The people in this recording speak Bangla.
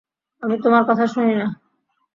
আমি তোমার কথা শুনি না।